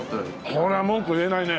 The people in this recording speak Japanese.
これは文句言えないね。